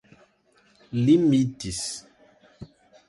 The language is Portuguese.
limites